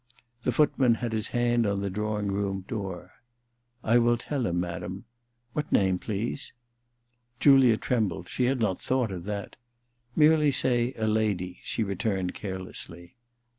The footman had his hand on the drawing room door. ^I ^11 tell him, madam. What name, please ?' Julia trembled : she had not thought of that. ' Merely say a lady,* she returned carelessly.